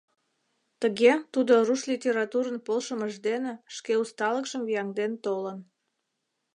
Тыге тудо руш литературын полшымыж дене шке усталыкшым вияҥден толын.